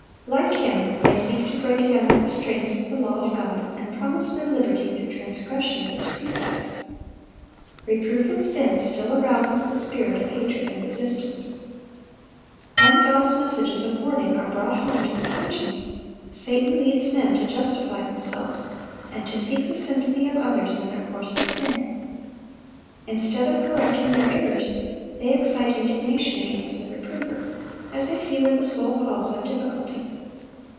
Like him they seek to break down the restraints of the law of God, and promise men liberty through transgression of its precepts. Reproof of sin still arouses the spirit of hatred and resistance. When God's messages of warning are brought home to the conscience, Satan leads men to justify themselves, and to seek the sympathy of others in their course of sin. Instead of correcting their errors, they excite indignation against the reprover, as if he were the sole cause of difficulty.